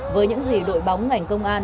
với những gì đội bóng ngành công an